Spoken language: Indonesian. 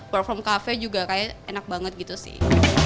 work from cafe juga kayaknya enak banget gitu sih